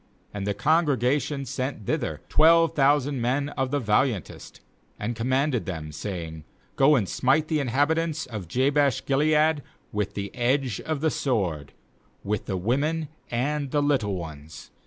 10And the congregation sent thither twelve thousand men of the vahantest, and commanded them, saying :* Go and smite the inhabitants of Jabesh gilead with the edge of the sword, with the women and the little ones.